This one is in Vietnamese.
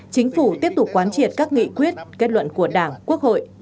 chính phủ tiếp tục quán triệt các nghị quyết kết luận của đảng quốc hội